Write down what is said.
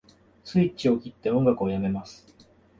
スイッチを切って音楽を止めます